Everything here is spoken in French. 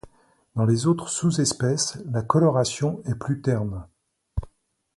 Dans les autres sous-espèces, la coloration est plus terne.